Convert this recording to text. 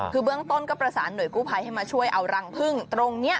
คือเบื้องต้นก็ประสานหน่วยกู้ภัยให้มาช่วยเอารังพึ่งตรงนี้